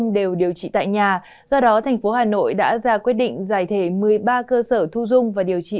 điều trị tại nhà do đó thành phố hà nội đã ra quyết định giải thể một mươi ba cơ sở thu dung và điều trị